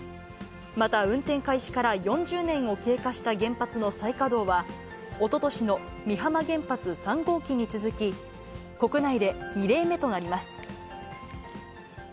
また運転開始から４０年を経過した原発の再稼働は、おととしの美浜原発３号機に続き、国内で２例目となります。